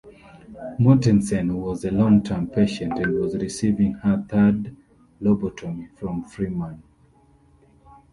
Mortensen was a longterm patient and was receiving her third lobotomy from Freeman.